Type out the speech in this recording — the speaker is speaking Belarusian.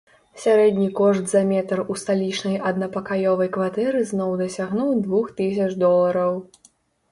Сярэдні кошт за метр у сталічнай аднапакаёвай кватэры зноў дасягнуў двух тысяч долараў.